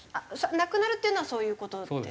亡くなるっていうのはそういう事ですか？